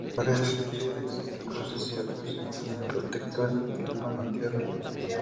En las paredes de piedra existen cruces y otros símbolos protectores del manantial.